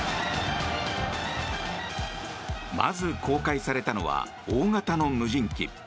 まず公開されたのは大型の無人機。